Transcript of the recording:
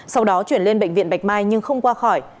sau đó chuyển lên bệnh viện bạch mai nhưng không qua khỏi